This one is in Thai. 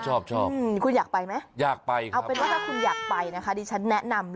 ชอบคุณอยากไปไหม